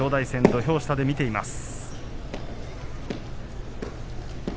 土俵下で見ています。